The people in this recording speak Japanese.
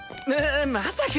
ままさか。